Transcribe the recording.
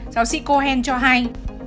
giáo sĩ cohen cho hay